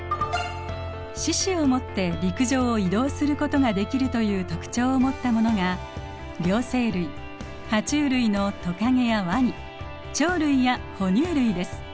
四肢をもって陸上を移動することができるという特徴をもったものが両生類ハチュウ類のトカゲやワニ鳥類や哺乳類です。